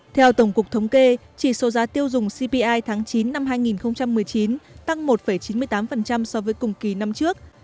theo tổng cục thống kê chỉ số giá tiêu dùng cpi tháng chín năm hai nghìn một mươi chín tăng một chín mươi tám so với cùng kỳ năm trước